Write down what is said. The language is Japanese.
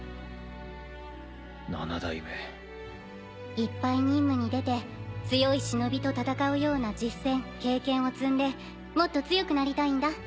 いっぱい任務に出て強い忍と戦うような実戦経験を積んでもっと強くなりたいんだ。